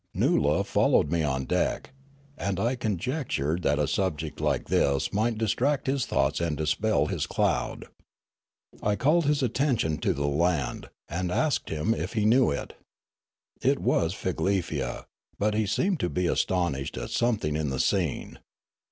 Noola followed me on deck, and I conjectured that a subject like this might distract his thoughts and dispel his cloud. I called his attention to the land, and asked him if he knew it. It was Figlefia ; but he seemed to be astonished at something in the scene.